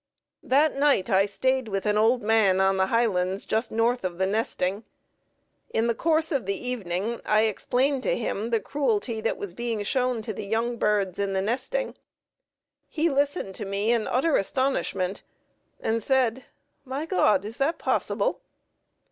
That night I stayed with an old man on the highlands just north of the nesting. In the course of the evening I explained to him the cruelty that was being shown to the young birds in the nesting. He listened to me in utter astonishment, and said, "My God, is that possible!"